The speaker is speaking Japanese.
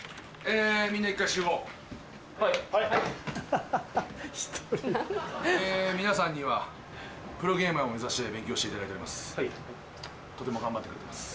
え皆さんにはプロゲーマーを目指して勉強していただいております